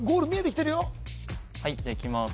はいじゃあいきます